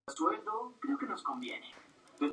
Es de color negro, con Hello Kitty en color gris plata.